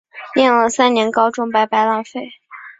念了三年高中白白浪费